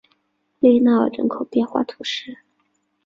利纳尔人口变化图示